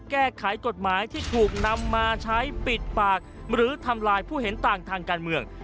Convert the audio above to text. แก้ไขกฎหมายที่ถูกนำมาใช้ปิดปากหรือทำลายผู้เห็นต่างทางการเมือง